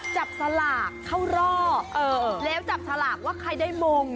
จับสลากเข้ารอบแล้วจับฉลากว่าใครได้มง